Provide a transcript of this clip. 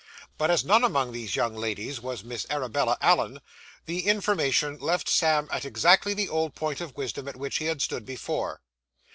But as none among these young ladies was Miss Arabella Allen, the information left Sam at exactly the old point of wisdom at which he had stood before.